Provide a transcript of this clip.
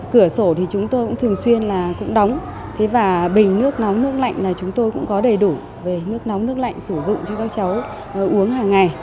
cửa sổ thì chúng tôi cũng thường xuyên là cũng đóng thế và bình nước nóng nước lạnh là chúng tôi cũng có đầy đủ về nước nóng nước lạnh sử dụng cho các cháu uống hàng ngày